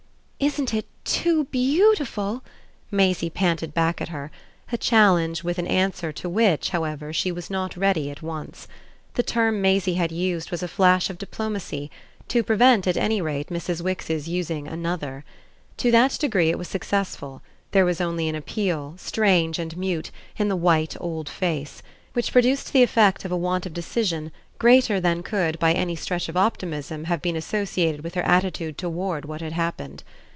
"Isn't it too BEAUTIFUL?" Maisie panted back at her; a challenge with an answer to which, however, she was not ready at once. The term Maisie had used was a flash of diplomacy to prevent at any rate Mrs. Wix's using another. To that degree it was successful; there was only an appeal, strange and mute, in the white old face, which produced the effect of a want of decision greater than could by any stretch of optimism have been associated with her attitude toward what had happened.